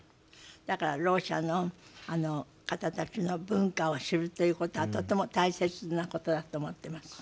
だからろう者の方たちの文化を知るということはとても大切なことだと思ってます。